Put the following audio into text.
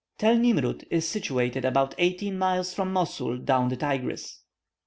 Tel Nimroud is situated about eighteen miles from Mosul down the Tigris.